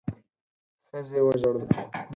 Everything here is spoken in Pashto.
ښځې وژړل.